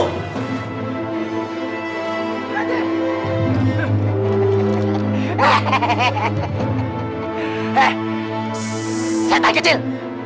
hei setan kecil